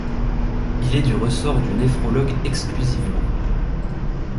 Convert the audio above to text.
Il est du ressort du néphrologue exclusivement.